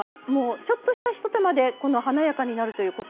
ちょっとしたひと手間で華やかになるコツ